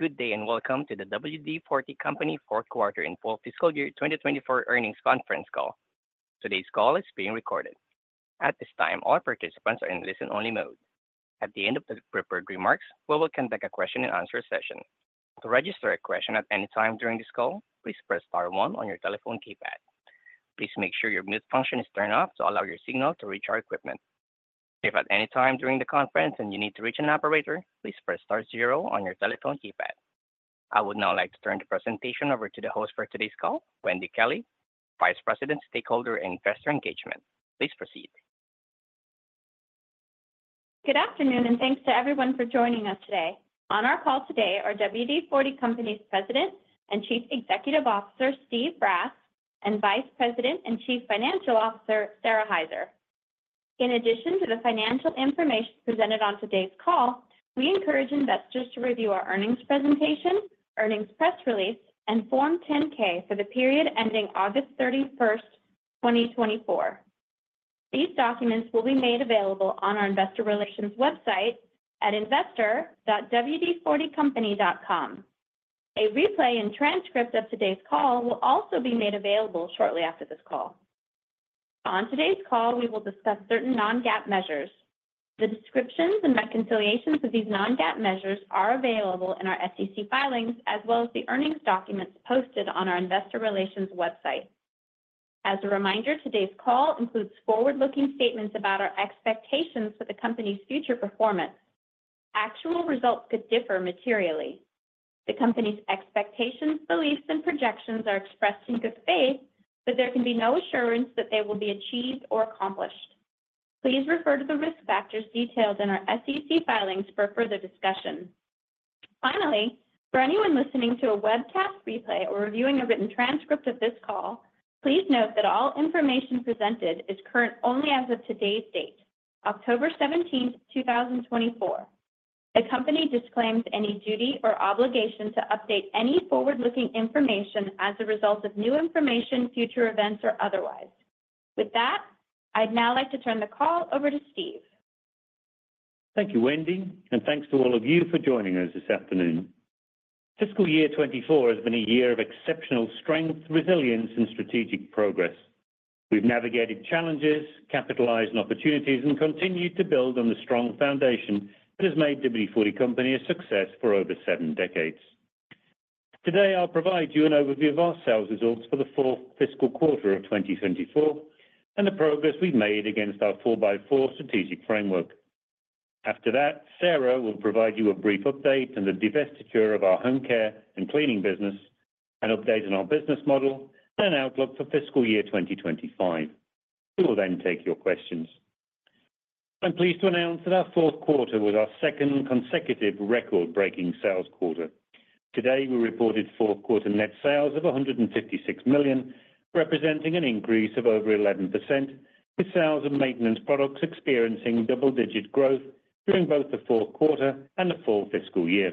Good day, and welcome to the WD-40 Company Fourth Quarter and Full Fiscal Year 2024 Earnings Conference Call. Today's call is being recorded. At this time, all participants are in listen-only mode. At the end of the prepared remarks, we will conduct a question and answer session. To register a question at any time during this call, please press star one on your telephone keypad. Please make sure your mute function is turned off to allow your signal to reach our equipment. If at any time during the conference, and you need to reach an operator, please press star zero on your telephone keypad. I would now like to turn the presentation over to the host for today's call, Wendy Kelley, Vice President, Stakeholder and Investor Engagement. Please proceed. Good afternoon, and thanks to everyone for joining us today. On our call today are WD-40 Company's President and Chief Executive Officer, Steve Brass, and Vice President and Chief Financial Officer, Sara Hyzer. In addition to the financial information presented on today's call, we encourage investors to review our earnings presentation, earnings press release, and Form 10-K for the period ending August 31st, 2024. These documents will be made available on our investor relations website at investor.wd40company.com. A replay and transcript of today's call will also be made available shortly after this call. On today's call, we will discuss certain non-GAAP measures. The descriptions and reconciliations of these non-GAAP measures are available in our SEC filings, as well as the earnings documents posted on our investor relations website. As a reminder, today's call includes forward-looking statements about our expectations for the company's future performance. Actual results could differ materially. The company's expectations, beliefs, and projections are expressed in good faith, but there can be no assurance that they will be achieved or accomplished. Please refer to the risk factors detailed in our SEC filings for further discussion. Finally, for anyone listening to a webcast replay or reviewing a written transcript of this call, please note that all information presented is current only as of today's date, October 17th, 2024. The company disclaims any duty or obligation to update any forward-looking information as a result of new information, future events, or otherwise. With that, I'd now like to turn the call over to Steve. Thank you, Wendy, and thanks to all of you for joining us this afternoon. Fiscal year 2024 has been a year of exceptional strength, resilience, and strategic progress. We've navigated challenges, capitalized on opportunities, and continued to build on the strong foundation that has made WD-40 Company a success for over seven decades. Today, I'll provide you an overview of our sales results for the fourth fiscal quarter of 2024 and the progress we've made against our Four-by-Four Strategic Framework. After that, Sara will provide you a brief update on the divestiture of our home care and cleaning business, an update on our business model, and an outlook for fiscal year 2025. We will then take your questions. I'm pleased to announce that our fourth quarter was our second consecutive record-breaking sales quarter. Today, we reported fourth quarter net sales of $156 million, representing an increase of over 11%, with sales of maintenance products experiencing double-digit growth during both the fourth quarter and the full fiscal year.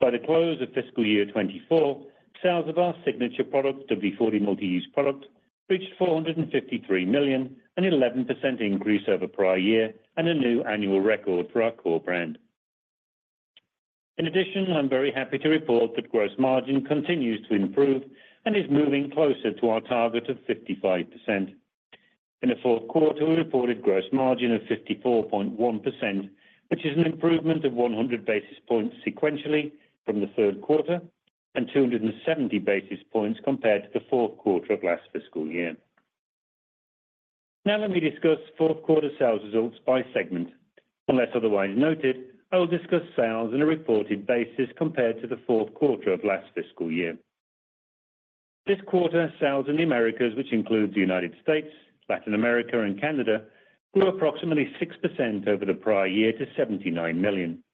By the close of fiscal year 2024, sales of our signature product, WD-40 Multi-Use Product, reached $453 million, an 11% increase over prior year and a new annual record for our core brand. In addition, I'm very happy to report that gross margin continues to improve and is moving closer to our target of 55%. In the fourth quarter, we reported gross margin of 54.1%, which is an improvement of 100 basis points sequentially from the third quarter and 270 basis points compared to the fourth quarter of last fiscal year. Now let me discuss fourth quarter sales results by segment. Unless otherwise noted, I will discuss sales on a reported basis compared to the fourth quarter of last fiscal year. This quarter, sales in the Americas, which includes the United States, Latin America, and Canada, grew approximately 6% over the prior year to $79 million.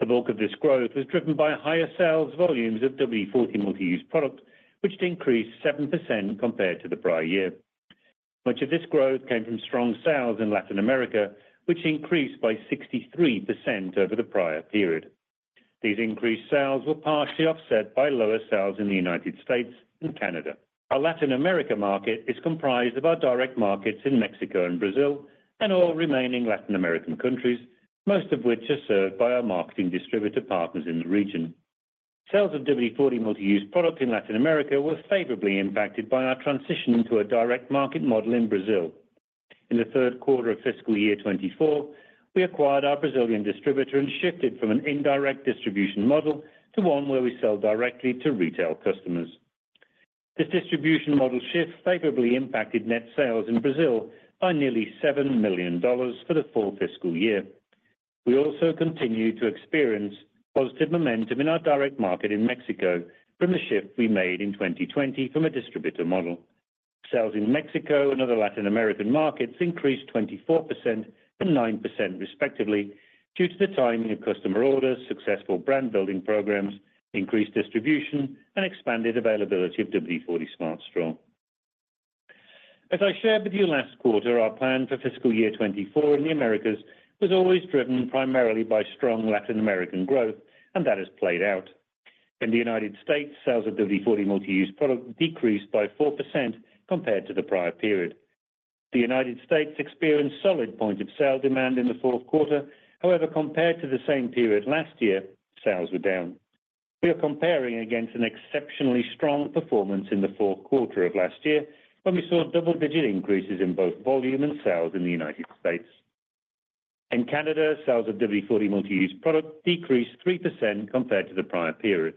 The bulk of this growth was driven by higher sales volumes of WD-40 Multi-Use Product, which increased 7% compared to the prior year. Much of this growth came from strong sales in Latin America, which increased by 63% over the prior period. These increased sales were partially offset by lower sales in the United States and Canada. Our Latin America market is comprised of our direct markets in Mexico and Brazil and all remaining Latin American countries, most of which are served by our marketing distributor partners in the region. Sales of WD-40 Multi-Use Product in Latin America were favorably impacted by our transition into a direct market model in Brazil. In the third quarter of fiscal year 2024, we acquired our Brazilian distributor and shifted from an indirect distribution model to one where we sell directly to retail customers. This distribution model shift favorably impacted net sales in Brazil by nearly $7 million for the full fiscal year. We also continued to experience positive momentum in our direct market in Mexico from the shift we made in 2020 from a distributor model. Sales in Mexico and other Latin American markets increased 24% and 9%, respectively, due to the timing of customer orders, successful brand building programs, increased distribution, and expanded availability of WD-40 Smart Straw. As I shared with you last quarter, our plan for fiscal year 2024 in the Americas was always driven primarily by strong Latin American growth, and that has played out. In the United States, sales of WD-40 Multi-Use Product decreased by 4% compared to the prior period. The United States experienced solid point of sale demand in the fourth quarter. However, compared to the same period last year, sales were down. We are comparing against an exceptionally strong performance in the fourth quarter of last year, when we saw double-digit increases in both volume and sales in the United States. In Canada, sales of WD-40 Multi-Use Product decreased 3% compared to the prior period.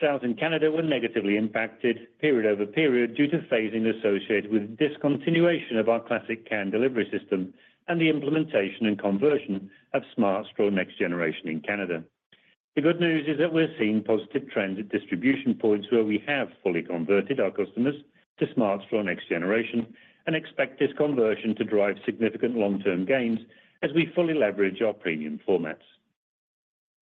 Sales in Canada were negatively impacted period-over-period due to phasing associated with discontinuation of our classic can delivery system and the implementation and conversion of Smart Straw Next Generation in Canada. The good news is that we're seeing positive trends at distribution points where we have fully converted our customers to Smart Straw Next Generation, and expect this conversion to drive significant long-term gains as we fully leverage our premium formats.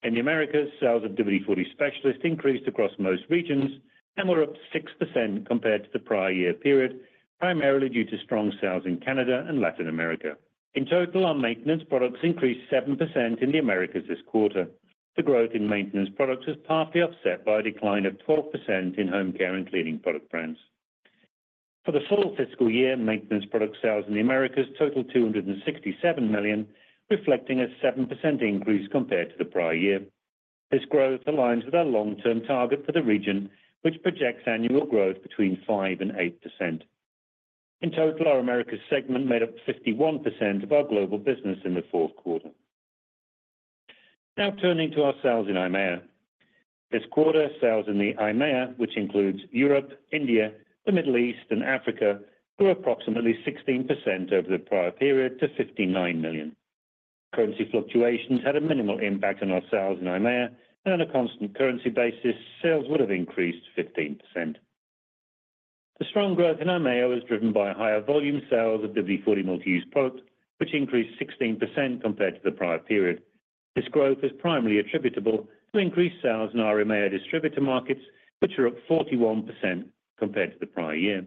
In the Americas, sales of WD-40 Specialist increased across most regions and were up 6% compared to the prior year period, primarily due to strong sales in Canada and Latin America. In total, our maintenance products increased 7% in the Americas this quarter. The growth in maintenance products was partly offset by a decline of 12% in home care and cleaning product brands. For the full fiscal year, maintenance product sales in the Americas totaled $267 million, reflecting a 7% increase compared to the prior year. This growth aligns with our long-term target for the region, which projects annual growth between 5% and 8%. In total, our Americas segment made up 51% of our global business in the fourth quarter. Now, turning to our sales in EMEA. This quarter, sales in the EMEA, which includes Europe, India, the Middle East, and Africa, grew approximately 16% over the prior period to $59 million. Currency fluctuations had a minimal impact on our sales in EMEA, and on a constant currency basis, sales would have increased 15%. The strong growth in EMEA was driven by higher volume sales of WD-40 Multi-Use Product, which increased 16% compared to the prior period. This growth is primarily attributable to increased sales in our EMEA distributor markets, which are up 41% compared to the prior year.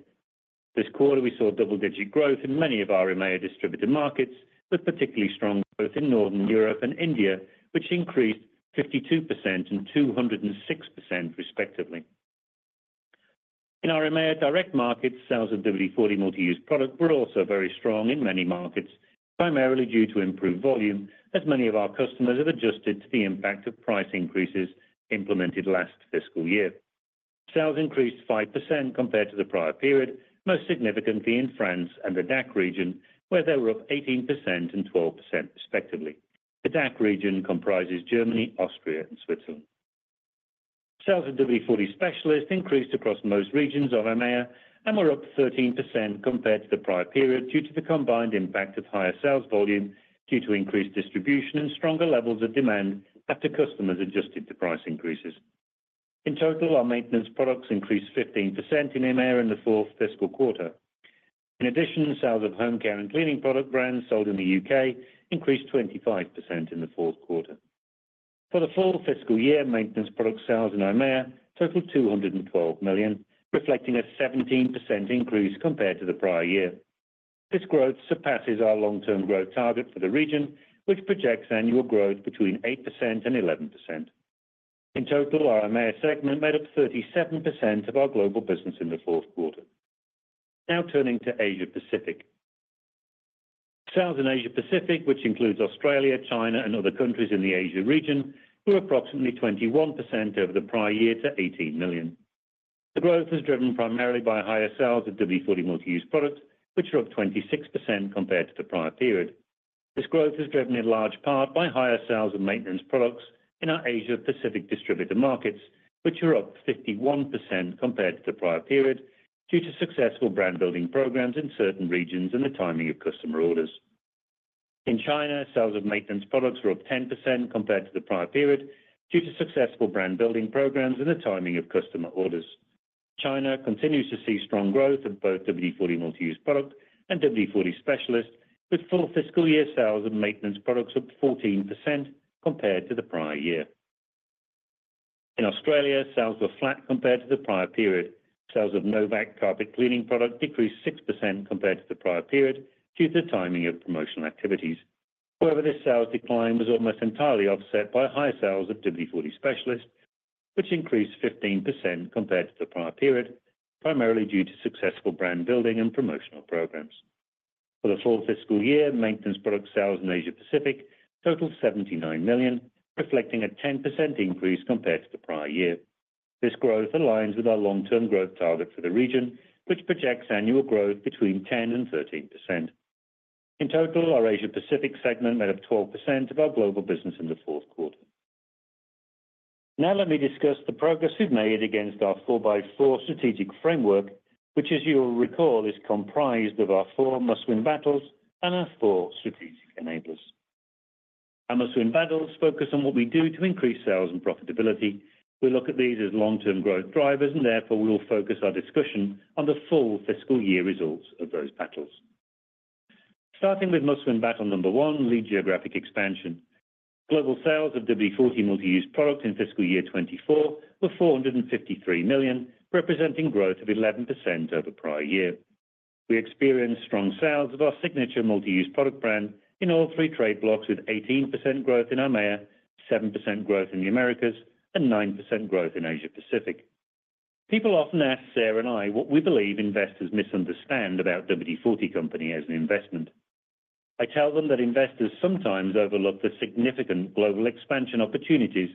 This quarter, we saw double-digit growth in many of our EMEA distributor markets, with particularly strong growth in Northern Europe and India, which increased 52% and 206% respectively. In our EMEA direct markets, sales of WD-40 Multi-Use Product were also very strong in many markets, primarily due to improved volume, as many of our customers have adjusted to the impact of price increases implemented last fiscal year. Sales increased 5% compared to the prior period, most significantly in France and the DACH region, where they were up 18% and 12% respectively. The DACH region comprises Germany, Austria, and Switzerland. Sales of WD-40 Specialist increased across most regions of EMEA and were up 13% compared to the prior period, due to the combined impact of higher sales volume, due to increased distribution and stronger levels of demand after customers adjusted to price increases. In total, our maintenance products increased 15% in EMEA in the fourth fiscal quarter. In addition, sales of home care and cleaning product brands sold in the U.K. increased 25% in the fourth quarter. For the full fiscal year, maintenance product sales in EMEA totaled $212 million, reflecting a 17% increase compared to the prior year. This growth surpasses our long-term growth target for the region, which projects annual growth between 8% and 11%. In total, our EMEA segment made up 37% of our global business in the fourth quarter. Now, turning to Asia Pacific. Sales in Asia Pacific, which includes Australia, China, and other countries in the Asia region, grew approximately 21% over the prior year to $18 million. The growth was driven primarily by higher sales of WD-40 Multi-Use Products, which are up 26% compared to the prior period. This growth is driven in large part by higher sales of maintenance products in our Asia Pacific distributor markets, which are up 51% compared to the prior period, due to successful brand-building programs in certain regions and the timing of customer orders. In China, sales of maintenance products were up 10% compared to the prior period, due to successful brand-building programs and the timing of customer orders. China continues to see strong growth of both WD-40 Multi-Use Product and WD-40 Specialist, with full fiscal year sales and maintenance products up 14% compared to the prior year. In Australia, sales were flat compared to the prior period. Sales of No Vac carpet cleaning product decreased 6% compared to the prior period, due to the timing of promotional activities. However, this sales decline was almost entirely offset by higher sales of WD-40 Specialist, which increased 15% compared to the prior period, primarily due to successful brand-building and promotional programs. For the full fiscal year, maintenance product sales in Asia Pacific totaled $79 million, reflecting a 10% increase compared to the prior year. This growth aligns with our long-term growth target for the region, which projects annual growth between 10% and 13%. In total, our Asia Pacific segment made up 12% of our global business in the fourth quarter. Now let me discuss the progress we've made against our Four-by-Four Strategic Framework, which, as you'll recall, is comprised of our four Must Win Battles and our Strategic Enablers. our Must Win Battles focus on what we do to increase sales and profitability. We look at these as long-term growth drivers, and therefore, we will focus our discussion on the full fiscal year results of those battles. Starting with Must Win Battle number one, lead geographic expansion. Global sales of WD-40 Multi-Use Product in fiscal year 2024 were $453 million, representing growth of 11% over prior year. We experienced strong sales of our signature Multi-Use Product brand in all three trading blocks, with 18% growth in EMEA, 7% growth in the Americas, and 9% growth in Asia Pacific. People often ask Sara and I what we believe investors misunderstand about WD-40 Company as an investment. I tell them that investors sometimes overlook the significant global expansion opportunities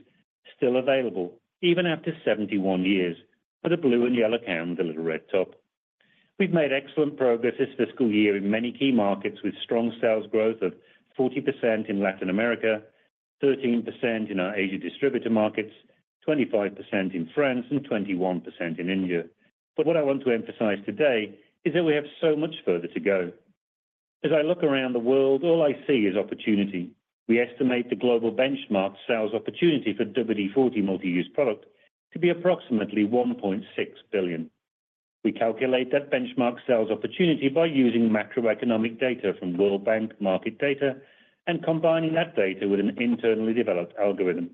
still available, even after 71 years, for the blue and yellow can with a little red top. We've made excellent progress this fiscal year in many key markets, with strong sales growth of 40% in Latin America, 13% in our Asia distributor markets, 25% in France, and 21% in India. But what I want to emphasize today is that we have so much further to go. As I look around the world, all I see is opportunity. We estimate the global benchmark sales opportunity for WD-40 Multi-Use Product to be approximately $1.6 billion. We calculate that benchmark sales opportunity by using macroeconomic data from World Bank market data and combining that data with an internally developed algorithm.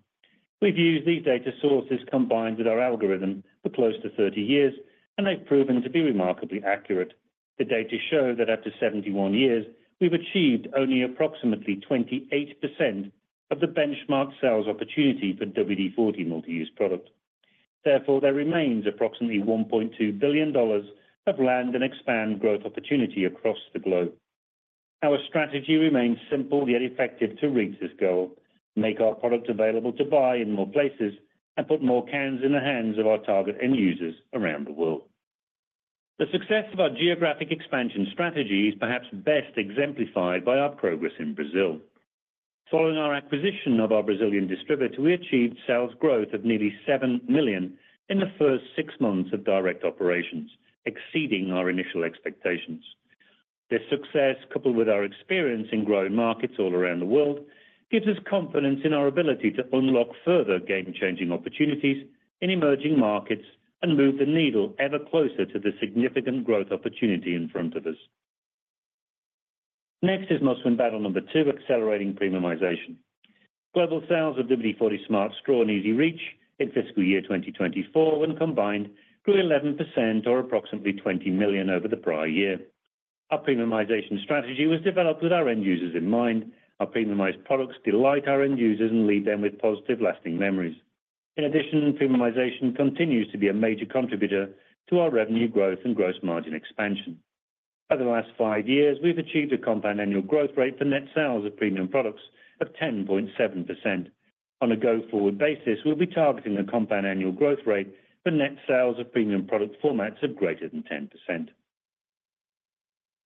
We've used these data sources combined with our algorithm for close to 30 years, and they've proven to be remarkably accurate. The data show that after 71 years, we've achieved only approximately 28% of the benchmark sales opportunity for WD-40 Multi-Use Product. Therefore, there remains approximately $1.2 billion of land and expand growth opportunity across the globe. Our strategy remains simple yet effective to reach this goal, make our product available to buy in more places, and put more cans in the hands of our target end users around the world. The success of our geographic expansion strategy is perhaps best exemplified by our progress in Brazil. Following our acquisition of our Brazilian distributor, we achieved sales growth of nearly $7 million in the first six months of direct operations, exceeding our initial expectations. This success, coupled with our experience in growing markets all around the world, gives us confidence in our ability to unlock further game-changing opportunities in emerging markets and move the needle ever closer to the significant growth opportunity in front of us. Next is Must Win Battle number two, accelerating premiumization. Global sales of WD-40 Smart Straw and EZ-Reach in fiscal year 2024, when combined, grew 11% or approximately $20 million over the prior year. Our premiumization strategy was developed with our end users in mind. Our premiumized products delight our end users and leave them with positive, lasting memories. In addition, premiumization continues to be a major contributor to our revenue growth and gross margin expansion. Over the last five years, we've achieved a compound annual growth rate for net sales of premium products of 10.7%. On a go-forward basis, we'll be targeting a compound annual growth rate for net sales of premium product formats of greater than 10%.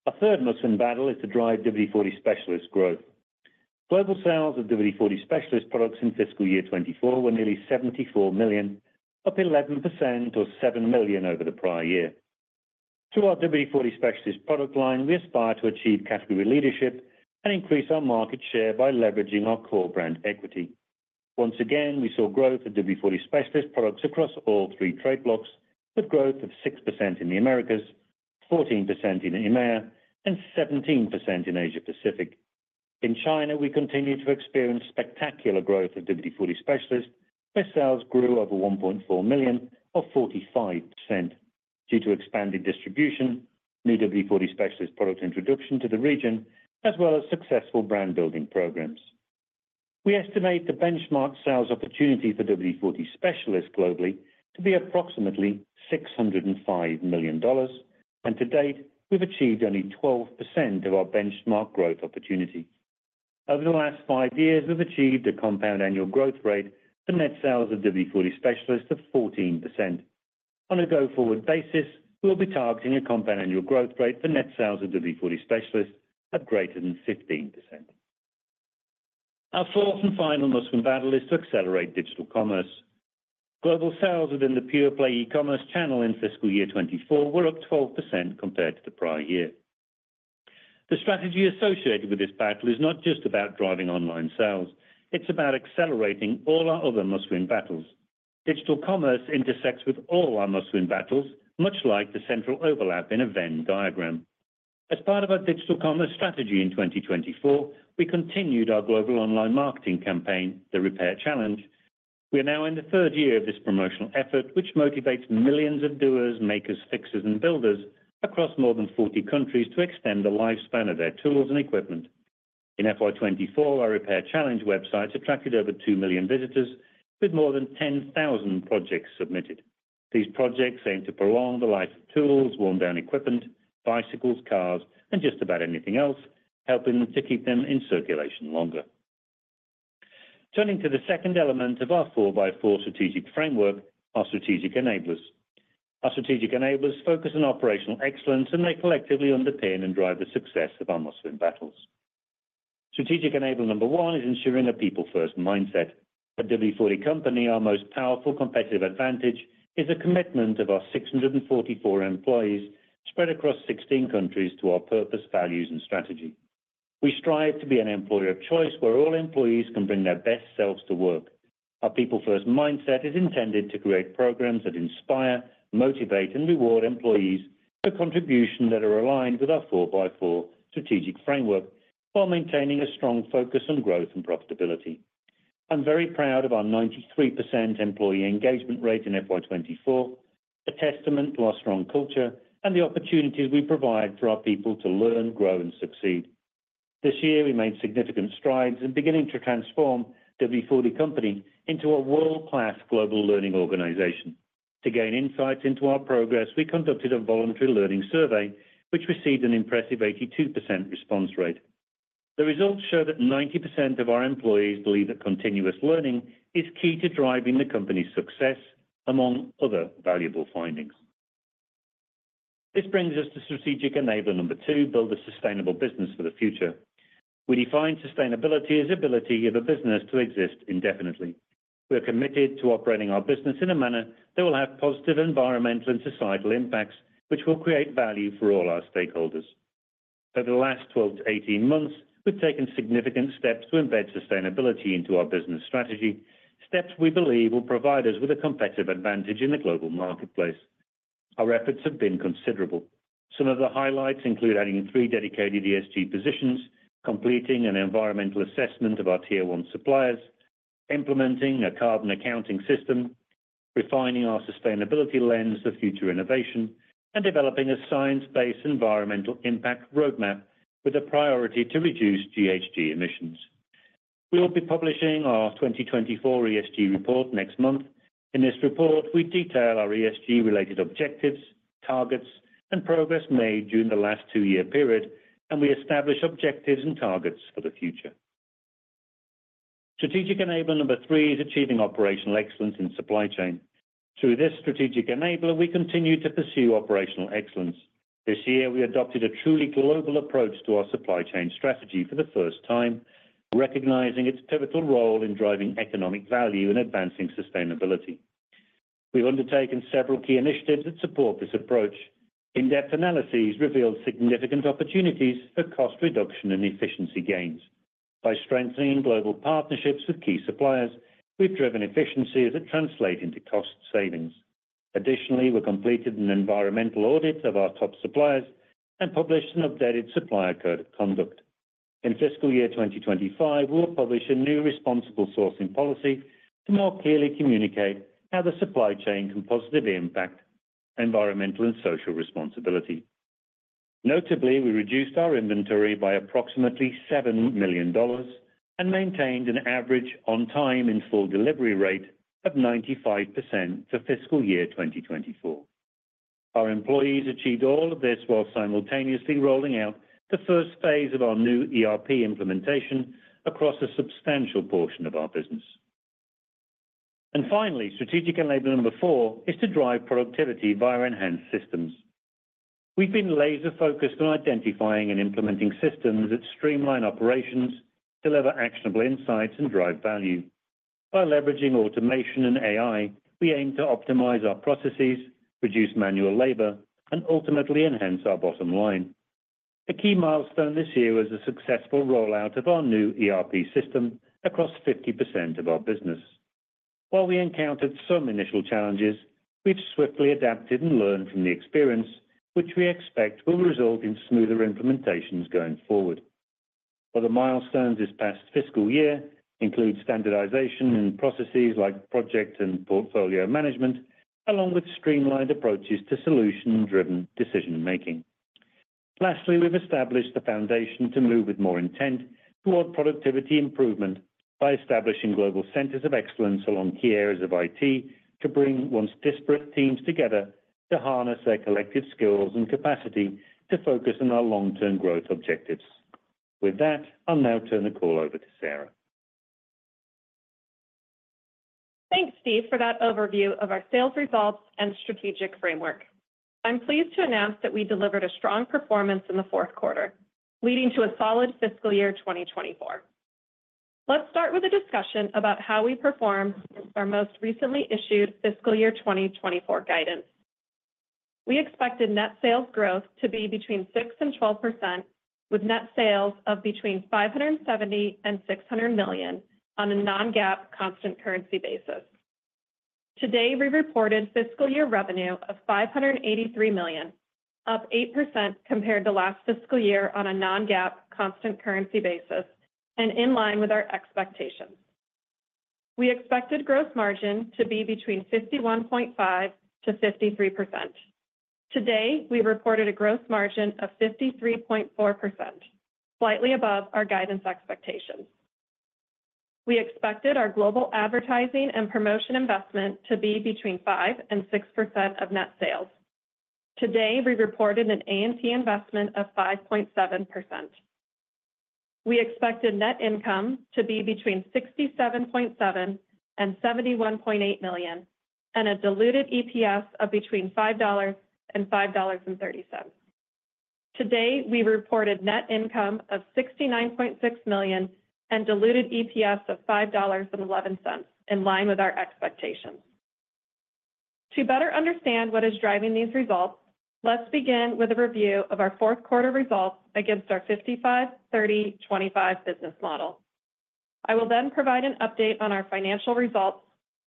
Our third Must Win Battle is to drive WD-40 Specialist growth. Global sales of WD-40 Specialist products in fiscal year 2024 were nearly $74 million, up 11% or $7 million over the prior year. Through our WD-40 Specialist product line, we aspire to achieve category leadership and increase our market share by leveraging our core brand equity. Once again, we saw growth of WD-40 Specialist products across all three trading blocks, with growth of 6% in the Americas, 14% in EMEA, and 17% in Asia Pacific. In China, we continue to experience spectacular growth of WD-40 Specialist, where sales grew over $1.4 million or 45% due to expanded distribution, new WD-40 Specialist product introduction to the region, as well as successful brand building programs. We estimate the benchmark sales opportunity for WD-40 Specialist globally to be approximately $605 million, and to date, we've achieved only 12% of our benchmark growth opportunity. Over the last five years, we've achieved a compound annual growth rate for net sales of WD-40 Specialist of 14%. On a go-forward basis, we'll be targeting a compound annual growth rate for net sales of WD-40 Specialist at greater than 15%. Our fourth and final Must Win Battle is to accelerate digital commerce. Global sales within the pure-play e-commerce channel in fiscal year 2024 were up 12% compared to the prior year. The strategy associated with this battle is not just about driving online sales, it's about accelerating all our other Must Win Battles. Digital commerce intersects with all our Must Win Battles, much like the central overlap in a Venn diagram. As part of our digital commerce strategy in 2024, we continued our global online marketing campaign, The Repair Challenge. We are now in the third year of this promotional effort, which motivates millions of doers, makers, fixers, and builders across more than 40 countries to extend the lifespan of their tools and equipment. In FY 2024, our Repair Challenge websites attracted over two million visitors, with more than 10,000 projects submitted. These projects aim to prolong the life of tools, worn-down equipment, bicycles, cars, and just about anything else, helping to keep them in circulation longer. Turning to the second element of our Four-by-Four strategic framework, Strategic Enablers focus on operational excellence, and they collectively underpin and drive the success of our Must Win Battles. Strategic Enabler number one is ensuring a people first mindset. At WD-40 Company, our most powerful competitive advantage is a commitment of our 644 employees, spread across 16 countries, to our purpose, values, and strategy. We strive to be an employer of choice where all employees can bring their best selves to work. Our people first mindset is intended to create programs that inspire, motivate, and reward employees for contributions that are aligned with our Four-by-Four strategic framework, while maintaining a strong focus on growth and profitability. I'm very proud of our 93% employee engagement rate in FY 2024, a testament to our strong culture and the opportunities we provide for our people to learn, grow, and succeed. This year, we made significant strides in beginning to transform WD-40 Company into a world-class global learning organization. To gain insights into our progress, we conducted a voluntary learning survey, which received an impressive 82% response rate. The results show that 90% of our employees believe that continuous learning is key to driving the company's success, among other valuable findings. This brings us to Strategic Enabler number two: build a sustainable business for the future. We define sustainability as ability of a business to exist indefinitely. We are committed to operating our business in a manner that will have positive environmental and societal impacts, which will create value for all our stakeholders. Over the last 12-18 months, we've taken significant steps to embed sustainability into our business strategy, steps we believe will provide us with a competitive advantage in the global marketplace. Our efforts have been considerable. Some of the highlights include adding three dedicated ESG positions, completing an environmental assessment of our Tier 1 suppliers, implementing a carbon accounting system, refining our sustainability lens for future innovation, and developing a science-based environmental impact roadmap with a priority to reduce GHG emissions. We will be publishing our 2024 ESG report next month. In this report, we detail our ESG-related objectives, targets, and progress made during the last two-year period, and we establish objectives and targets for the future. Strategic Enabler number three is achieving operational excellence in supply chain. Through this Strategic Enabler, we continue to pursue operational excellence. This year, we adopted a truly global approach to our supply chain strategy for the first time, recognizing its pivotal role in driving economic value and advancing sustainability. We've undertaken several key initiatives that support this approach. In-depth analyses revealed significant opportunities for cost reduction and efficiency gains. By strengthening global partnerships with key suppliers, we've driven efficiencies that translate into cost savings. Additionally, we completed an environmental audit of our top suppliers and published an updated supplier code of conduct. In fiscal year 2025, we'll publish a new responsible sourcing policy to more clearly communicate how the supply chain can positively impact environmental and social responsibility. Notably, we reduced our inventory by approximately $7 million and maintained an average on-time in-full delivery rate of 95% for fiscal year 2024. Our employees achieved all of this while simultaneously rolling out the first phase of our new ERP implementation across a substantial portion of our business. And finally, Strategic Enabler number four is to drive productivity via enhanced systems. We've been laser-focused on identifying and implementing systems that streamline operations, deliver actionable insights, and drive value. By leveraging automation and AI, we aim to optimize our processes, reduce manual labor, and ultimately enhance our bottom line. A key milestone this year was a successful rollout of our new ERP system across 50% of our business. While we encountered some initial challenges, we've swiftly adapted and learned from the experience, which we expect will result in smoother implementations going forward. Other milestones this past fiscal year include standardization in processes like project and portfolio management, along with streamlined approaches to solution-driven decision-making. Lastly, we've established the foundation to move with more intent toward productivity improvement by establishing global centers of excellence along key areas of IT to bring once disparate teams together to harness their collective skills and capacity to focus on our long-term growth objectives. With that, I'll now turn the call over to Sara. Thanks, Steve, for that overview of our sales results and strategic framework. I'm pleased to announce that we delivered a strong performance in the fourth quarter, leading to a solid fiscal year 2024. Let's start with a discussion about how we performed with our most recently issued fiscal year 2024 guidance. We expected net sales growth to be between 6% and 12%, with net sales of between $570 million and $600 million on a non-GAAP constant currency basis. Today, we reported fiscal year revenue of $583 million, up 8% compared to last fiscal year on a non-GAAP constant currency basis and in line with our expectations. We expected gross margin to be between 51.5% to 53%. Today, we reported a gross margin of 53.4%, slightly above our guidance expectations. We expected our global advertising and promotion investment to be between 5% and 6% of net sales. Today, we reported an A&P investment of 5.7%. We expected net income to be between $67.7 million and $71.8 million, and a diluted EPS of between $5 and $5.30. Today, we reported net income of $69.6 million and diluted EPS of $5.11, in line with our expectations. To better understand what is driving these results, let's begin with a review of our fourth quarter results against our 55/30/25 business model. I will then provide an update on our financial results,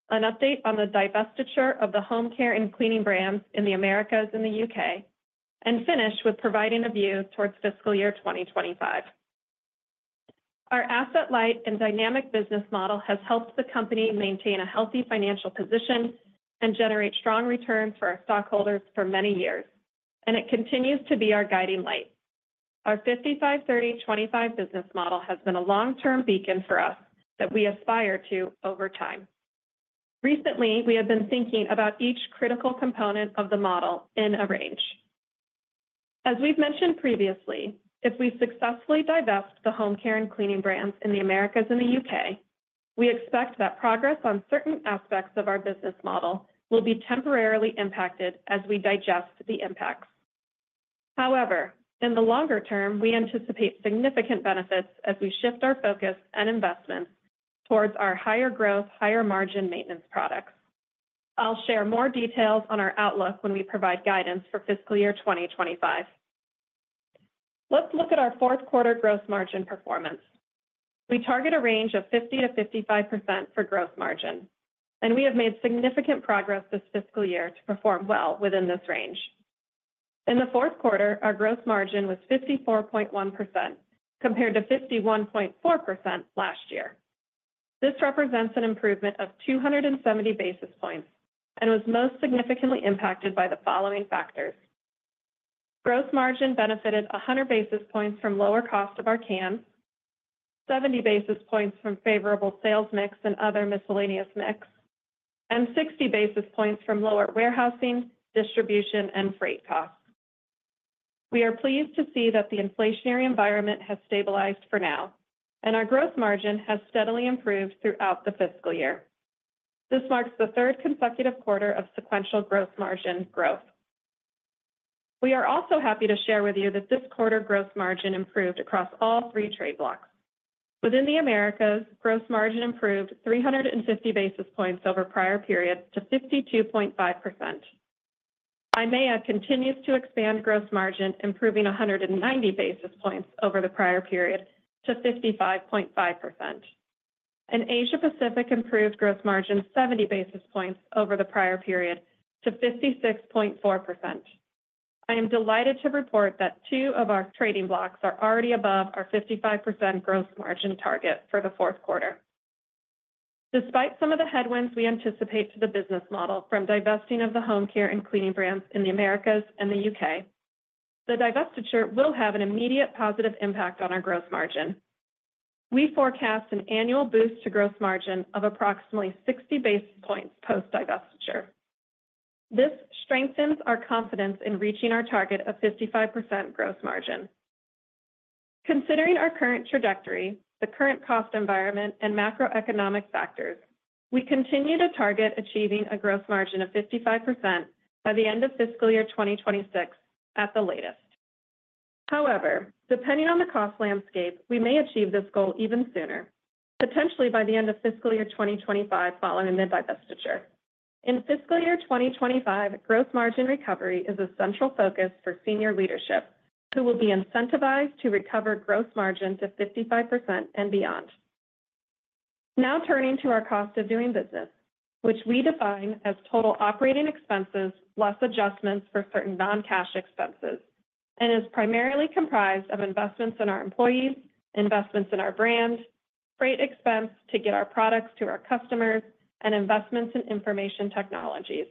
an update on the divestiture of the home care and cleaning brands in the Americas and the U.K., and finish with providing a view towards fiscal year 2025. Our asset light and dynamic business model has helped the company maintain a healthy financial position and generate strong returns for our stockholders for many years, and it continues to be our guiding light. Our 55/30/25 business model has been a long-term beacon for us that we aspire to over time. Recently, we have been thinking about each critical component of the model in a range. As we've mentioned previously, if we successfully divest the home care and cleaning brands in the Americas and the U.K., we expect that progress on certain aspects of our business model will be temporarily impacted as we digest the impacts. However, in the longer term, we anticipate significant benefits as we shift our focus and investments towards our higher growth, higher margin maintenance products. I'll share more details on our outlook when we provide guidance for fiscal year 2025. Let's look at our fourth quarter gross margin performance. We target a range of 50%-55% for gross margin, and we have made significant progress this fiscal year to perform well within this range. In the fourth quarter, our gross margin was 54.1%, compared to 51.4% last year. This represents an improvement of 270 basis points and was most significantly impacted by the following factors. Gross margin benefited 100 basis points from lower cost of our cans, 70 basis points from favorable sales mix and other miscellaneous mix, and 60 basis points from lower warehousing, distribution, and freight costs. We are pleased to see that the inflationary environment has stabilized for now, and our gross margin has steadily improved throughout the fiscal year. This marks the third consecutive quarter of sequential gross margin growth. We are also happy to share with you that this quarter gross margin improved across all three trading blocks. Within the Americas, gross margin improved 350 basis points over prior periods to 52.5%. EMEA continues to expand gross margin, improving 190 basis points over the prior period to 55.5%. In Asia Pacific, gross margin improved 70 basis points over the prior period to 56.4%. I am delighted to report that two of our trading blocks are already above our 55% gross margin target for the fourth quarter. Despite some of the headwinds we anticipate to the business model from divesting of the home care and cleaning brands in the Americas and the U.K., the divestiture will have an immediate positive impact on our gross margin. We forecast an annual boost to gross margin of approximately 60 basis points post-divestiture. This strengthens our confidence in reaching our target of 55% gross margin. Considering our current trajectory, the current cost environment, and macroeconomic factors, we continue to target achieving a gross margin of 55% by the end of fiscal year 2026 at the latest. However, depending on the cost landscape, we may achieve this goal even sooner, potentially by the end of fiscal year 2025, following the post-divestiture. In fiscal year 2025, gross margin recovery is a central focus for senior leadership, who will be incentivized to recover gross margin to 55% and beyond. Now, turning to our cost of doing business, which we define as total operating expenses less adjustments for certain non-cash expenses, and is primarily comprised of investments in our employees, investments in our brands, freight expense to get our products to our customers, and investments in information technologies.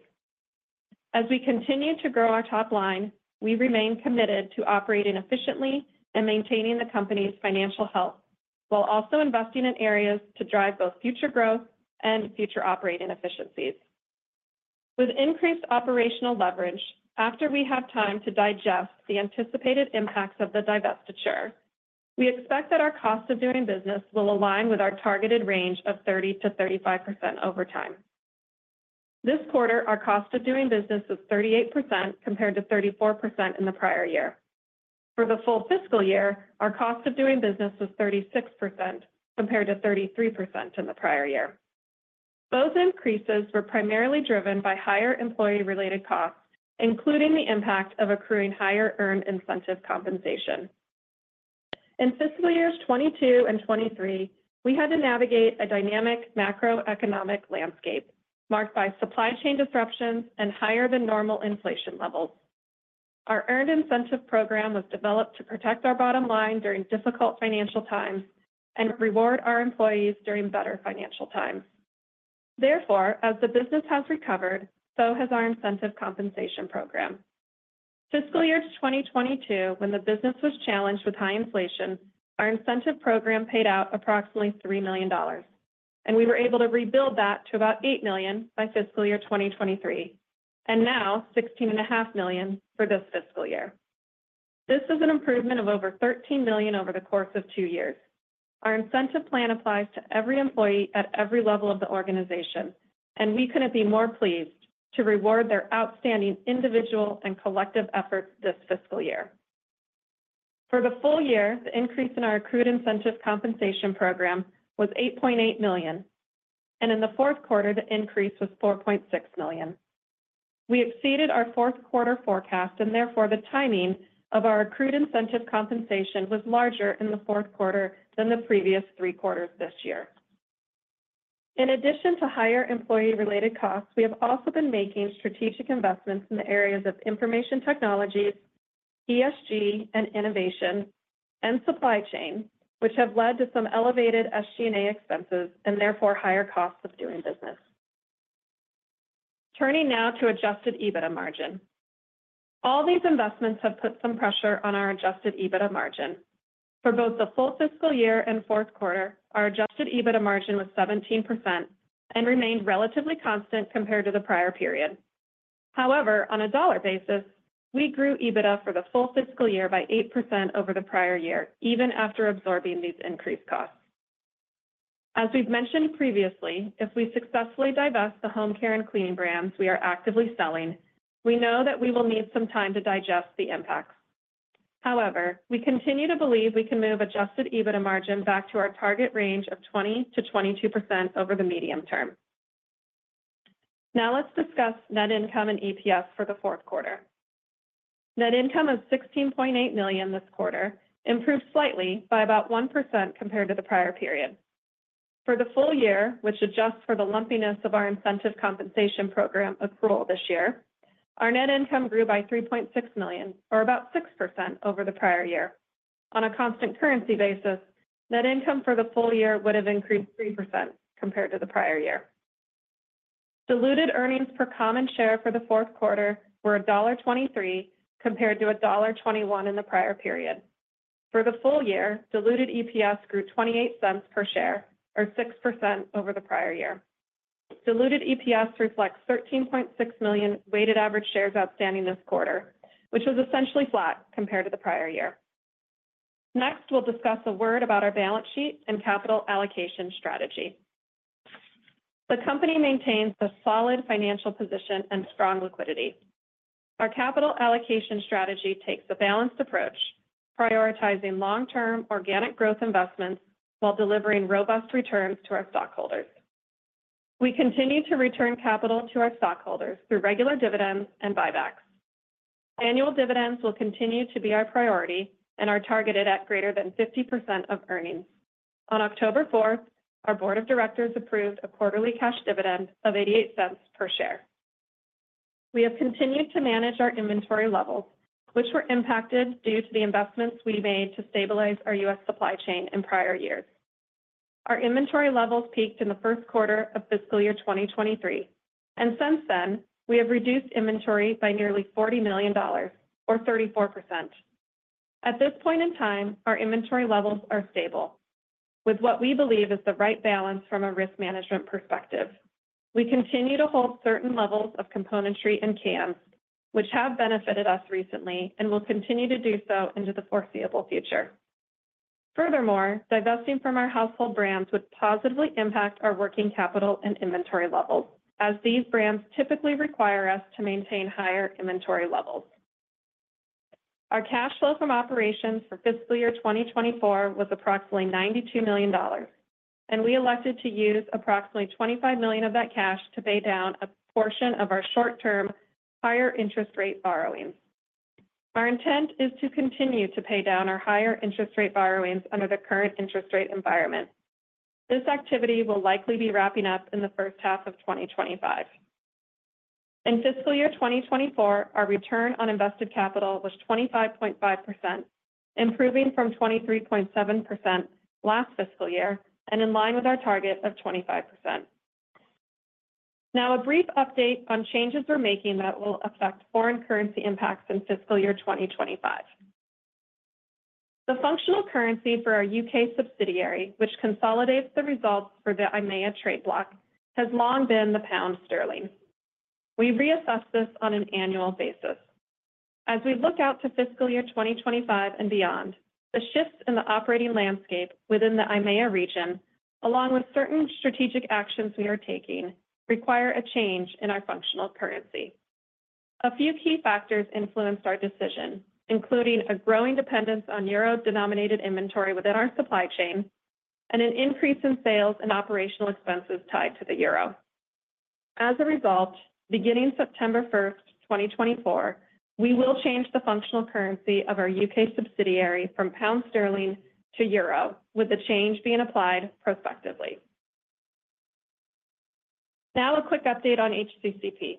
As we continue to grow our top line, we remain committed to operating efficiently and maintaining the company's financial health, while also investing in areas to drive both future growth and future operating efficiencies. With increased operational leverage, after we have time to digest the anticipated impacts of the divestiture, we expect that our cost of doing business will align with our targeted range of 30%-35% over time. This quarter, our cost of doing business was 38%, compared to 34% in the prior year. For the full fiscal year, our cost of doing business was 36%, compared to 33% in the prior year. Both increases were primarily driven by higher employee-related costs, including the impact of accruing higher earned incentive compensation. In fiscal years 2022 and 2023, we had to navigate a dynamic macroeconomic landscape marked by supply chain disruptions and higher than normal inflation levels. Our earned incentive program was developed to protect our bottom line during difficult financial times and reward our employees during better financial times. Therefore, as the business has recovered, so has our incentive compensation program. Fiscal year 2022, when the business was challenged with high inflation, our incentive program paid out approximately $3 million, and we were able to rebuild that to about $8 million by fiscal year 2023, and now $16.5 million for this fiscal year. This is an improvement of over $13 million over the course of two years. Our incentive plan applies to every employee at every level of the organization, and we couldn't be more pleased to reward their outstanding individual and collective efforts this fiscal year. For the full year, the increase in our accrued incentive compensation program was $8.8 million, and in the fourth quarter, the increase was $4.6 million. We exceeded our fourth quarter forecast, and therefore, the timing of our accrued incentive compensation was larger in the fourth quarter than the previous three quarters this year. In addition to higher employee-related costs, we have also been making strategic investments in the areas of information technologies, ESG, and innovation, and supply chain, which have led to some elevated SG&A expenses and therefore higher costs of doing business. Turning now to adjusted EBITDA margin. All these investments have put some pressure on our adjusted EBITDA margin. For both the full fiscal year and fourth quarter, our adjusted EBITDA margin was 17% and remained relatively constant compared to the prior period. However, on a dollar basis, we grew EBITDA for the full fiscal year by 8% over the prior year, even after absorbing these increased costs. As we've mentioned previously, if we successfully divest the home care and cleaning brands we are actively selling, we know that we will need some time to digest the impacts. However, we continue to believe we can move adjusted EBITDA margin back to our target range of 20%-22% over the medium term. Now let's discuss net income and EPS for the fourth quarter. Net income of $16.8 million this quarter improved slightly by about 1% compared to the prior period. For the full year, which adjusts for the lumpiness of our incentive compensation program accrual this year, our net income grew by $3.6 million, or about 6% over the prior year. On a constant currency basis, net income for the full year would have increased 3% compared to the prior year. Diluted earnings per common share for the fourth quarter were $1.23, compared to $1.21 in the prior period. For the full year, diluted EPS grew $0.28 per share, or 6% over the prior year. Diluted EPS reflects 13.6 million weighted average shares outstanding this quarter, which was essentially flat compared to the prior year. Next, we'll discuss a word about our balance sheet and capital allocation strategy. The company maintains a solid financial position and strong liquidity. Our capital allocation strategy takes a balanced approach, prioritizing long-term organic growth investments while delivering robust returns to our stockholders. We continue to return capital to our stockholders through regular dividends and buybacks. Annual dividends will continue to be our priority and are targeted at greater than 50% of earnings. On October 4th, our Board of Directors approved a quarterly cash dividend of $0.88 per share. We have continued to manage our inventory levels, which were impacted due to the investments we made to stabilize our U.S. supply chain in prior years. Our inventory levels peaked in the first quarter of fiscal year 2023, and since then, we have reduced inventory by nearly $40 million or 34%. At this point in time, our inventory levels are stable with what we believe is the right balance from a risk management perspective. We continue to hold certain levels of componentry and cans, which have benefited us recently and will continue to do so into the foreseeable future. Furthermore, divesting from our household brands would positively impact our working capital and inventory levels, as these brands typically require us to maintain higher inventory levels. Our cash flow from operations for fiscal year 2024 was approximately $92 million, and we elected to use approximately $25 million of that cash to pay down a portion of our short-term higher interest rate borrowings. Our intent is to continue to pay down our higher interest rate borrowings under the current interest rate environment. This activity will likely be wrapping up in the first half of 2025. In fiscal year 2024, our return on invested capital was 25.5%, improving from 23.7% last fiscal year and in line with our target of 25%. Now, a brief update on changes we're making that will affect foreign currency impacts in fiscal year 2025. The functional currency for our U.K. subsidiary, which consolidates the results for the EMEA trading block, has long been the pound sterling. We reassess this on an annual basis. As we look out to fiscal year 2025 and beyond, the shifts in the operating landscape within the EMEA region, along with certain strategic actions we are taking, require a change in our functional currency. A few key factors influenced our decision, including a growing dependence on euro-denominated inventory within our supply chain and an increase in sales and operational expenses tied to the euro. As a result, beginning September 1st, 2024, we will change the functional currency of our U.K. subsidiary from pound sterling to euro, with the change being applied prospectively. Now, a quick update on HCCP.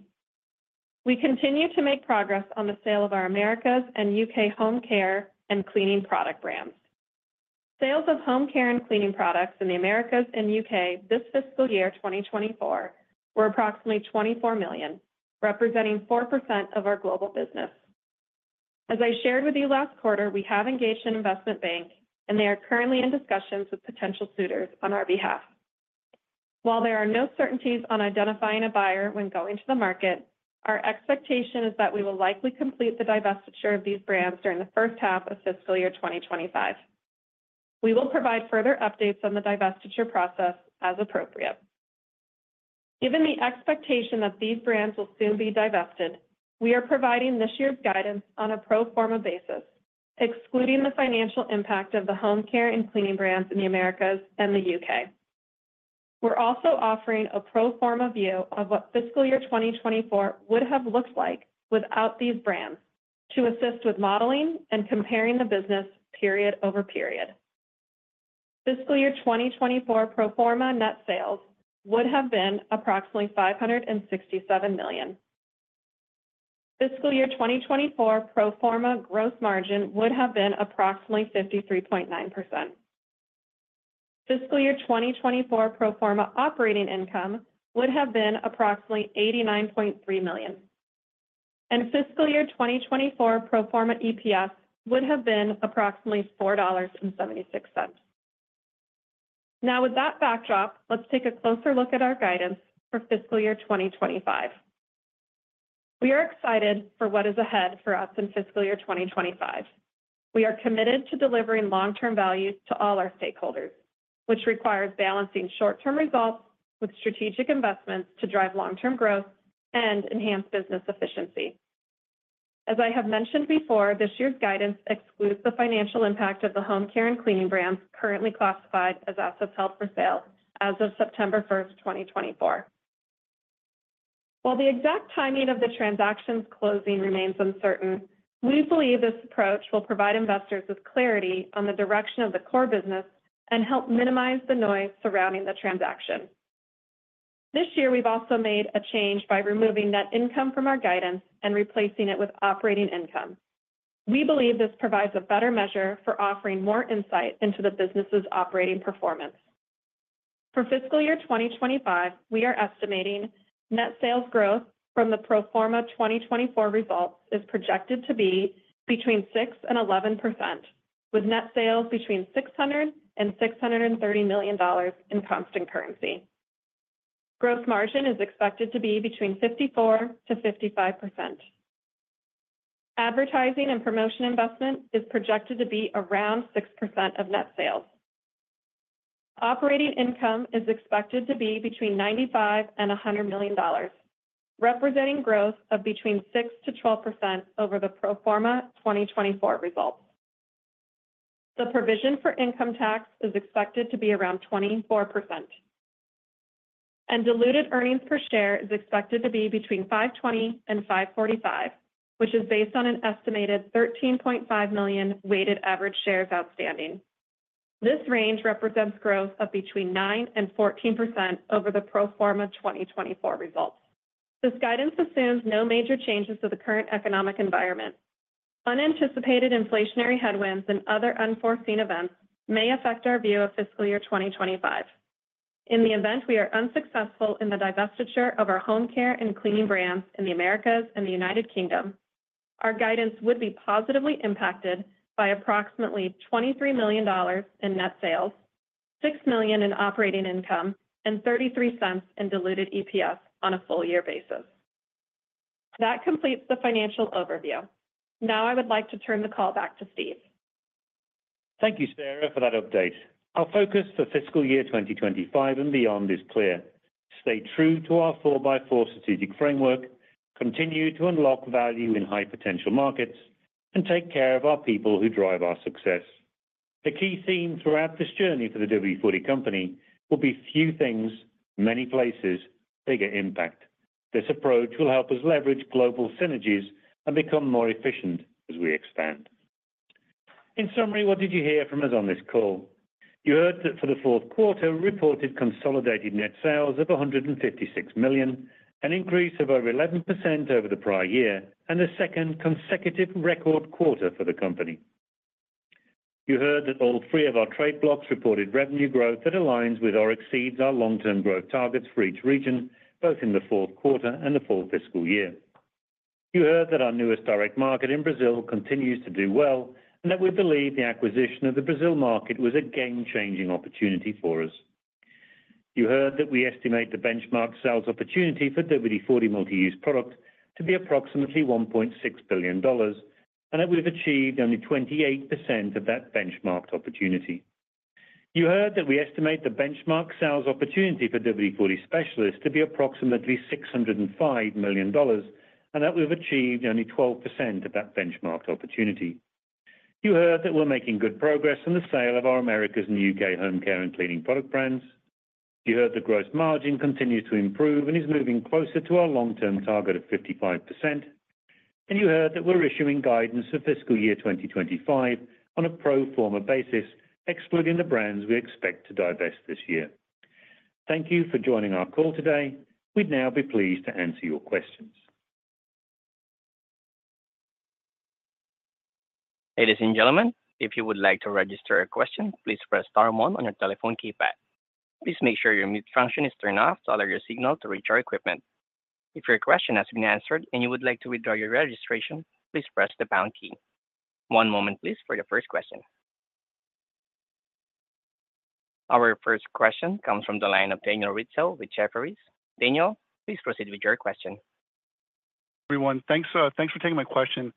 We continue to make progress on the sale of our Americas and U.K. home care and cleaning product brands. Sales of home care and cleaning products in the Americas and U.K. this fiscal year, 2024, were approximately $24 million, representing 4% of our global business. As I shared with you last quarter, we have engaged an investment bank and they are currently in discussions with potential suitors on our behalf. While there are no certainties on identifying a buyer when going to the market, our expectation is that we will likely complete the divestiture of these brands during the first half of fiscal year 2025. We will provide further updates on the divestiture process as appropriate. Given the expectation that these brands will soon be divested, we are providing this year's guidance on a pro forma basis, excluding the financial impact of the home care and cleaning brands in the Americas and the U.K. We're also offering a pro forma view of what fiscal year 2024 would have looked like without these brands to assist with modeling and comparing the business period over period. Fiscal year 2024 pro forma net sales would have been approximately $567 million. Fiscal year 2024 pro forma gross margin would have been approximately 53.9%. Fiscal year 2024 pro forma operating income would have been approximately $89.3 million, and fiscal year 2024 pro forma EPS would have been approximately $4.76. Now, with that backdrop, let's take a closer look at our guidance for fiscal year 2025. We are excited for what is ahead for us in fiscal year 2025. We are committed to delivering long-term value to all our stakeholders, which requires balancing short-term results with strategic investments to drive long-term growth and enhance business efficiency. As I have mentioned before, this year's guidance excludes the financial impact of the home care and cleaning brands currently classified as assets held for sale as of September 1st, 2024. While the exact timing of the transaction's closing remains uncertain, we believe this approach will provide investors with clarity on the direction of the core business and help minimize the noise surrounding the transaction. This year, we've also made a change by removing net income from our guidance and replacing it with operating income. We believe this provides a better measure for offering more insight into the business's operating performance. For fiscal year 2025, we are estimating net sales growth from the pro forma 2024 results is projected to be between 6%-11%, with net sales between $600 million-$630 million in constant currency. Gross margin is expected to be between 54%-55%. Advertising and promotion investment is projected to be around 6% of net sales. Operating income is expected to be between $95 million-$100 million, representing growth of between 6%-12% over the pro forma 2024 results. The provision for income tax is expected to be around 24%, and diluted earnings per share is expected to be between $5.20 and $5.45, which is based on an estimated 13.5 million weighted average shares outstanding. This range represents growth of between 9% and 14% over the pro forma 2024 results. This guidance assumes no major changes to the current economic environment. Unanticipated inflationary headwinds and other unforeseen events may affect our view of fiscal year 2025. In the event we are unsuccessful in the divestiture of our home care and cleaning brands in the Americas and the United Kingdom, our guidance would be positively impacted by approximately $23 million in net sales, $6 million in operating income, and $0.33 in diluted EPS on a full year basis. That completes the financial overview. Now, I would like to turn the call back to Steve. Thank you, Sara, for that update. Our focus for fiscal year 2025 and beyond is clear: stay true to our Four-by-Four Strategic Framework, continue to unlock value in high-potential markets, and take care of our people who drive our success. The key theme throughout this journey for the WD-40 Company will be few things, many places, bigger impact. This approach will help us leverage global synergies and become more efficient as we expand. In summary, what did you hear from us on this call? You heard that for the fourth quarter, reported consolidated net sales of $156 million, an increase of over 11% over the prior year and a second consecutive record quarter for the company. You heard that all three of our trading blocks reported revenue growth that aligns with or exceeds our long-term growth targets for each region, both in the fourth quarter and the full fiscal year. You heard that our newest direct market in Brazil continues to do well, and that we believe the acquisition of the Brazil market was a game-changing opportunity for us. You heard that we estimate the benchmark sales opportunity for WD-40 Multi-Use Product to be approximately $1.6 billion, and that we've achieved only 28% of that benchmark opportunity. You heard that we estimate the benchmark sales opportunity for WD-40 Specialist to be approximately $605 million, and that we've achieved only 12% of that benchmark opportunity. You heard that we're making good progress on the sale of our Americas and U.K. home care and cleaning product brands. You heard the gross margin continues to improve and is moving closer to our long-term target of 55%. And you heard that we're issuing guidance for fiscal year 2025 on a pro forma basis, excluding the brands we expect to divest this year. Thank you for joining our call today. We'd now be pleased to answer your questions. Ladies and gentlemen, if you would like to register a question, please press star one on your telephone keypad. Please make sure your mute function is turned off to allow your signal to reach our equipment. If your question has been answered and you would like to withdraw your registration, please press the pound key. One moment, please, for your first question. Our first question comes from the line of Daniel Rizzo with Jefferies. Daniel, please proceed with your question. Everyone, thanks. Thanks for taking my question.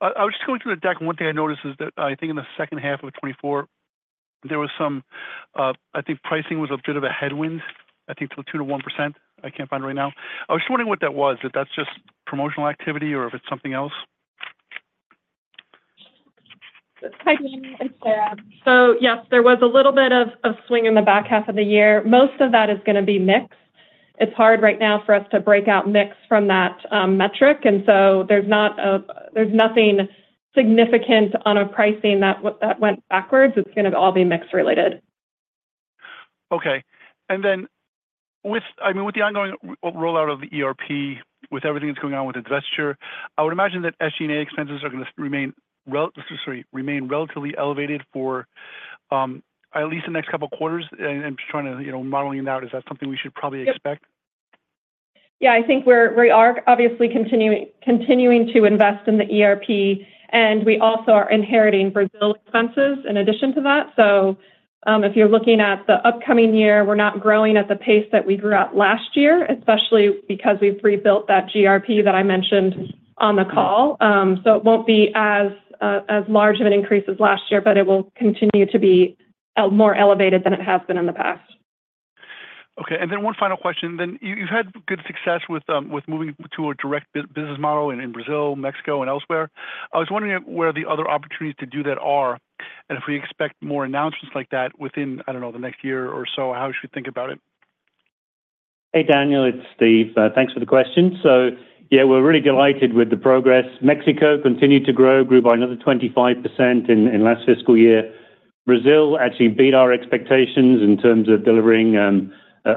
I was just going through the deck, and one thing I noticed is that I think in the second half of 2024, there was some, I think pricing was a bit of a headwind, I think to the 2%-1%. I can't find it right now. I was just wondering what that was, if that's just promotional activity or if it's something else? Hi, Daniel. It's Sara. So yes, there was a little bit of swing in the back half of the year. Most of that is going to be mix. It's hard right now for us to break out mix from that metric, and so there's nothing significant on a pricing that went backwards. It's going to all be mix related. Okay, and then with, I mean, with the ongoing rollout of the ERP, with everything that's going on with divestiture, I would imagine that SG&A expenses are gonna remain relatively elevated for at least the next couple of quarters. And I'm just trying to, you know, modeling that, is that something we should probably expect? Yeah, I think we're, we are obviously continuing to invest in the ERP, and we also are inheriting Brazil expenses in addition to that. So, if you're looking at the upcoming year, we're not growing at the pace that we grew up last year, especially because we've rebuilt that ERP that I mentioned on the call. So it won't be as, as large of an increase as last year, but it will continue to be, more elevated than it has been in the past. Okay, and then one final question then. You've had good success with moving to a direct business model in Brazil, Mexico, and elsewhere. I was wondering where the other opportunities to do that are, and if we expect more announcements like that within, I don't know, the next year or so, how we should think about it? Hey, Daniel, it's Steve. Thanks for the question. So yeah, we're really delighted with the progress. Mexico continued to grow, grew by another 25% in last fiscal year. Brazil actually beat our expectations in terms of delivering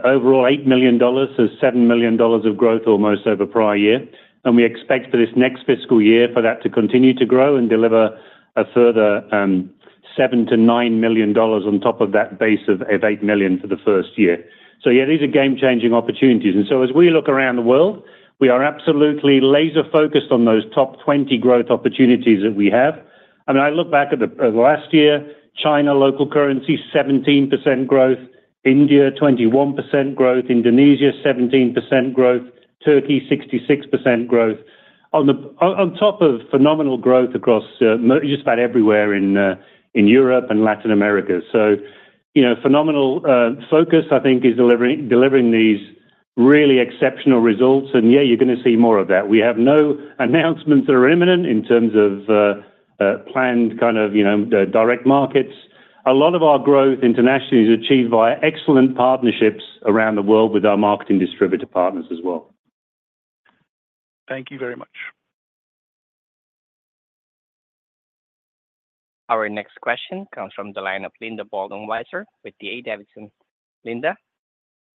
overall $8 million, so $7 million of growth almost over prior year. And we expect for this next fiscal year for that to continue to grow and deliver a further $7 million-$9 million on top of that base of eight million for the first year. So yeah, these are game-changing opportunities. And so as we look around the world, we are absolutely laser-focused on those top 20 growth opportunities that we have. I mean, I look back at the last year, China, local currency, 17% growth, India, 21% growth, Indonesia, 17% growth, Turkey, 66% growth. On top of phenomenal growth across just about everywhere in Europe and Latin America. So, you know, phenomenal focus, I think, is delivering these really exceptional results. And yeah, you're gonna see more of that. We have no announcements that are imminent in terms of planned, kind of, you know, the direct markets. A lot of our growth internationally is achieved via excellent partnerships around the world with our marketing distributor partners as well. Thank you very much. Our next question comes from the line of Linda Bolton Weiser with D.A. Davidson. Linda,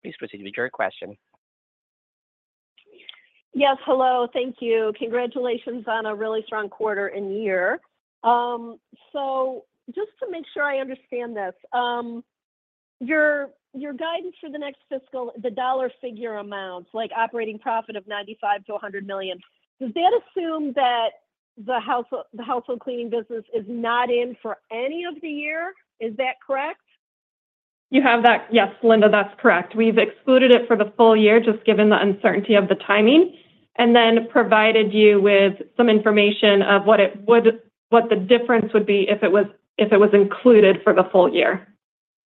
please proceed with your question. Yes, hello. Thank you. Congratulations on a really strong quarter and year. So just to make sure I understand this, your guidance for the next fiscal, the dollar figure amounts, like operating profit of $95 million-$100 million, does that assume that the household cleaning business is not in for any of the year? Is that correct? You have that. Yes, Linda, that's correct. We've excluded it for the full year, just given the uncertainty of the timing, and then provided you with some information of what the difference would be if it was included for the full year.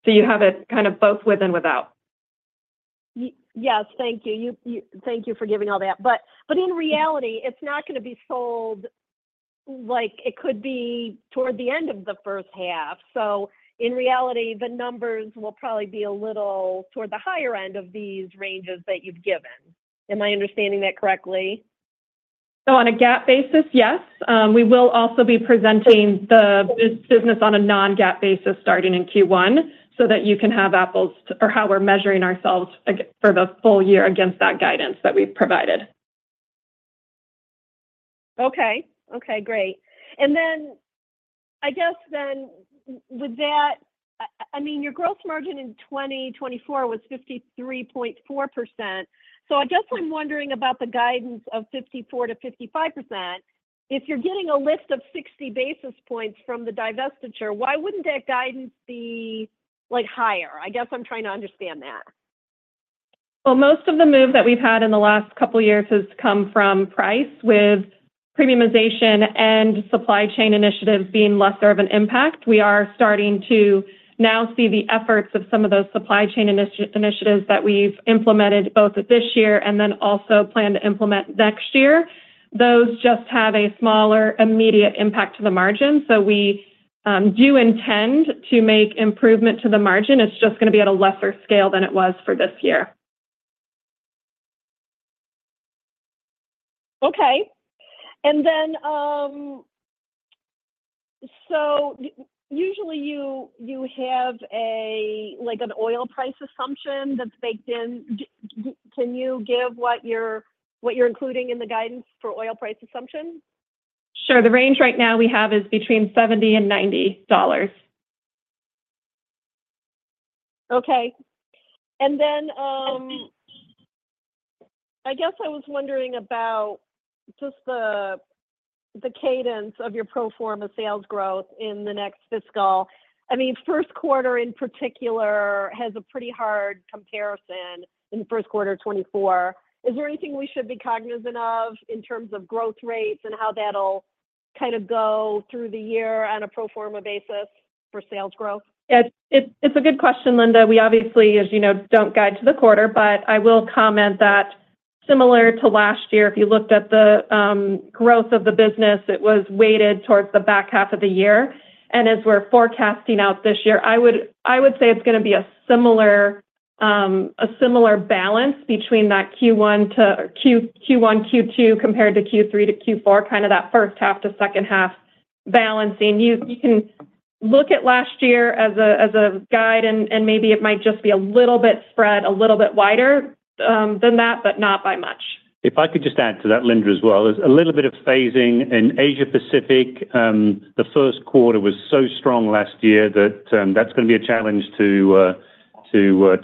So you have it kind of both with and without. Yes. Thank you for giving all that. But in reality, it's not gonna be sold, like, it could be toward the end of the first half. So in reality, the numbers will probably be a little toward the higher end of these ranges that you've given. Am I understanding that correctly? So on a GAAP basis, yes. We will also be presenting this business on a non-GAAP basis starting in Q1, so that you can have apples to apples or how we're measuring ourselves against for the full year against that guidance that we've provided. Okay. Okay, great. And then I guess then with that, I mean, your gross margin in 2024 was 53.4%. So I guess I'm wondering about the guidance of 54%-55%. If you're getting a lift of 60 basis points from the divestiture, why wouldn't that guidance be, like, higher? I guess I'm trying to understand that. Most of the move that we've had in the last couple of years has come from price, with premiumization and supply chain initiatives being lesser of an impact. We are starting to now see the efforts of some of those supply chain initiatives that we've implemented, both this year and then also plan to implement next year. Those just have a smaller immediate impact to the margin, so we do intend to make improvement to the margin. It's just gonna be at a lesser scale than it was for this year. Okay. And then, so usually, you have a, like, an oil price assumption that's baked in. Can you give what you're including in the guidance for oil price assumption? Sure. The range right now we have is between $70 and $90. Okay. And then, I guess I was wondering about just the cadence of your pro forma sales growth in the next fiscal. I mean, first quarter, in particular, has a pretty hard comparison in the first quarter of 2024. Is there anything we should be cognizant of in terms of growth rates and how that'll kind of go through the year on a pro forma basis for sales growth? Yeah, it's a good question, Linda. We obviously, as you know, don't guide to the quarter, but I will comment that similar to last year, if you looked at the growth of the business, it was weighted towards the back half of the year, and as we're forecasting out this year, I would say it's gonna be a similar balance between that Q1 to Q2, compared to Q3 to Q4, kind of that first half to second half balancing. You can look at last year as a guide, and maybe it might just be a little bit spread a little bit wider than that, but not by much. If I could just add to that, Linda, as well, there's a little bit of phasing in Asia Pacific. The first quarter was so strong last year that that's gonna be a challenge to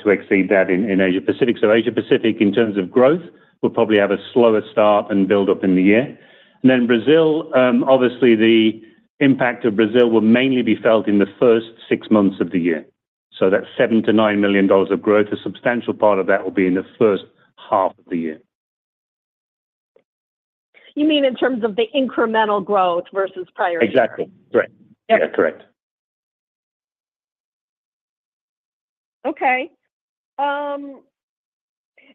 exceed that in Asia Pacific. So Asia Pacific, in terms of growth, will probably have a slower start and build up in the year. And then Brazil, obviously, the impact of Brazil will mainly be felt in the first six months of the year. So that $7 million-$9 million of growth, a substantial part of that will be in the first half of the year. You mean in terms of the incremental growth versus prior year? Exactly. Correct. Yeah. Yeah, correct. Okay. And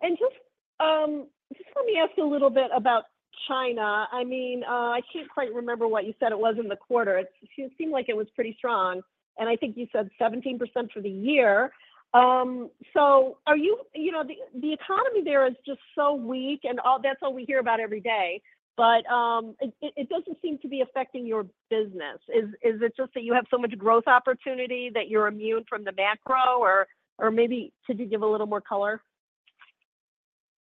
just let me ask a little bit about China. I mean, I can't quite remember what you said it was in the quarter. It seemed like it was pretty strong, and I think you said 17% for the year. So are you, you know, the economy there is just so weak, and that's all we hear about every day, but it doesn't seem to be affecting your business. Is it just that you have so much growth opportunity that you're immune from the macro, or maybe could you give a little more color?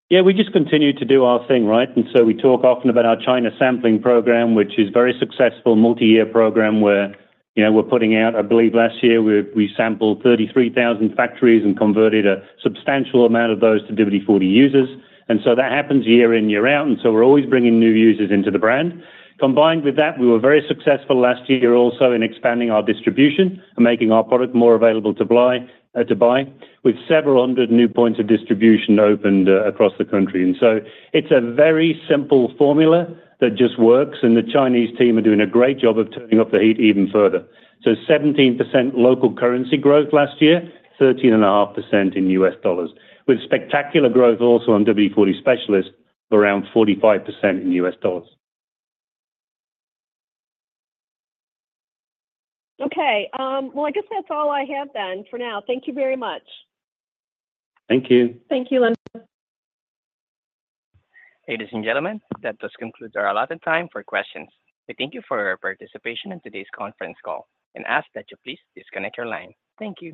Yeah, we just continue to do our thing, right? And so we talk often about our China sampling program, which is very successful, multi-year program, where, you know, we're putting out, I believe last year, we sampled 33,000 factories and converted a substantial amount of those to WD-40 users, and so that happens year in, year out, and so we're always bringing new users into the brand. Combined with that, we were very successful last year also in expanding our distribution and making our product more available to buy, with several hundred new points of distribution opened across the country. And so it's a very simple formula that just works, and the Chinese team are doing a great job of turning up the heat even further. 17% local currency growth last year, 13.5% in U.S. dollars, with spectacular growth also on WD-40 Specialist, around 45% in U.S. dollars. Okay. Well, I guess that's all I have then for now. Thank you very much. Thank you. Thank you, Linda. Ladies and gentlemen, that just concludes our allotted time for questions. We thank you for your participation in today's conference call and ask that you please disconnect your line. Thank you.